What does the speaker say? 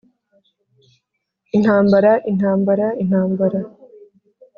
intambara, intambara, intambara.